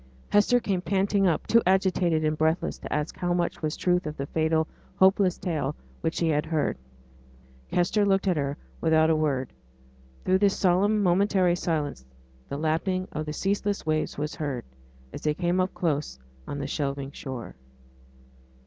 Hester came panting up, too agitated and breathless to ask how much was truth of the fatal, hopeless tale which she had heard. Kester looked at her without a word. Through this solemn momentary silence the lapping of the ceaseless waves was heard, as they came up close on the shelving shore.